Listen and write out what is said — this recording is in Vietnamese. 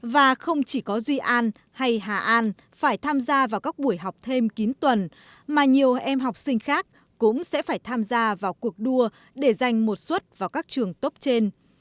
và không chỉ có duy an hay hà an phải tham gia vào các buổi học thêm kín tuần mà nhiều em học sinh khác cũng sẽ phải tham gia vào cuộc đua để giành một suất vào các trường tốt trên